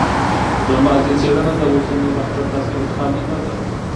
د ماضي څېړنه د اوسني وخت له تاثیره خالي نه ده.